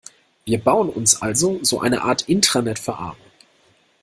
Wir bauen uns also so eine Art Intranet für Arme.